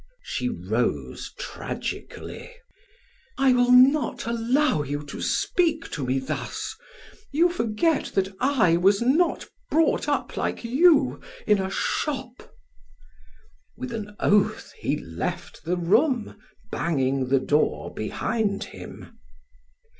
She rose tragically: "I will not allow you to speak to me thus. You forget that I was not brought up like you, in a shop." With an oath, he left the room, banging the door behind him.